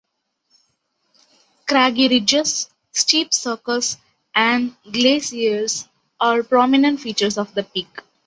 Craggy ridges, steep cirques and glaciers are prominent features of the peak.